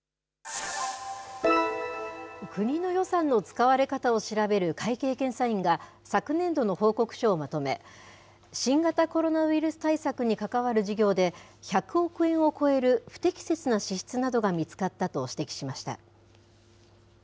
国の予算の使われ方を調べる会計検査院が、昨年度の報告書をまとめ、新型コロナウイルス対策に関わる事業で、１００億円を超える不適切な支出などが見つかったと指摘しました。